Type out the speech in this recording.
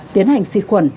tiến hành xịt khuẩn